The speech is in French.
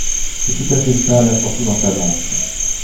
C’est tout à fait ça, là surtout dans ta manche...